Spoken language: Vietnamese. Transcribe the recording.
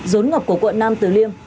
dốn ngập của quận nam tử liêm